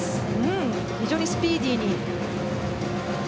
非常にスピーディーに。